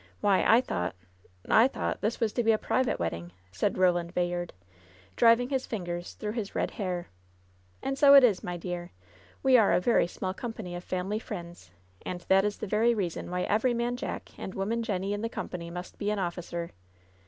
Why, I thought — I thought — ^this was to be a private wedding,^* said Eoland Bayard, driving his fingers through his red hair. "And so it is, my dear. We are a very small com pany of family friends, and that is the very reason why every man jack and woman jenny in the company must be an officer.